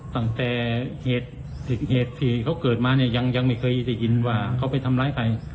ตั้งแต่เหตุที่เขาเกิดมาเนี่ยยังไม่เคยได้ยินว่าเขาไปทำร้ายใคร